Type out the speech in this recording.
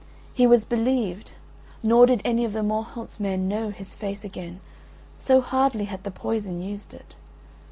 He was believed, nor did any of the Morholt's men know his face again, so hardly had the poison used it.